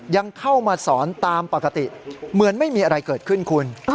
ยังเข้ามาสอนตามปกติเหมือนไม่มีอะไรเกิดขึ้นคุณ